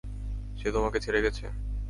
সে তোমাকে ছেড়ে গেছে?